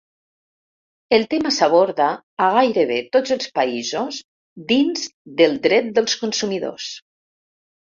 El tema s'aborda, a gairebé tots els països, dins del dret dels consumidors.